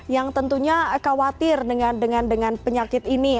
yang tentunya khawatir dengan penyakit ini